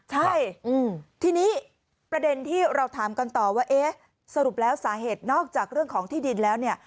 ใช่ทีนี้ประเด็นที่เราถามกันต่อว่าเอ๊ะสรุปแล้วสาเหตุนอกจากเรื่องของที่ดินแล้วเนี่ย